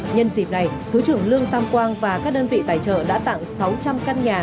nhân dịp này thứ trưởng lương tam quang và các đơn vị tài trợ đã tặng sáu trăm linh căn nhà